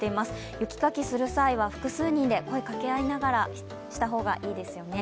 雪かきする際は複数人で声をかけ合いながらした方がいいですよね。